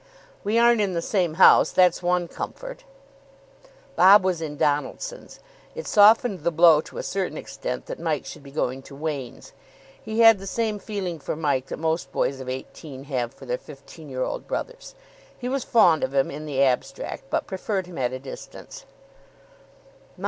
"We aren't in the same house. That's one comfort." Bob was in Donaldson's. It softened the blow to a certain extent that Mike should be going to Wain's. He had the same feeling for Mike that most boys of eighteen have for their fifteen year old brothers. He was fond of him in the abstract, but preferred him at a distance.